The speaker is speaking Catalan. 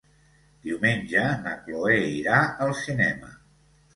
Diumenge na Cloè irà al cinema.